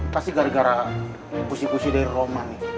pasti gara gara puisi puisi dari roman nih